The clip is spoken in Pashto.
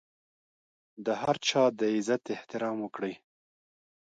د هر چا د عزت احترام وکړئ.